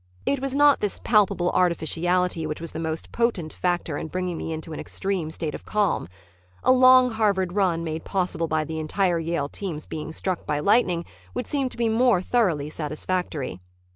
It was not this palpable artificiality which was the most potent factor in bringing me into an extreme state of calm. A long Harvard run made possible by the entire Yale team's being struck by lightning would seem to me thoroughly satisfactory.